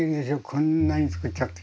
こんなにつくっちゃって。